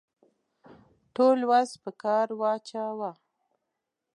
ټول وس په کار واچاوه.